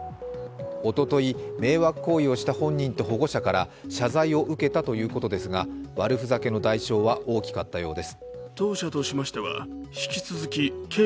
おととい、迷惑行為をした本人と保護者から謝罪を受けたということですが悪ふざけの代償は大きかったようです。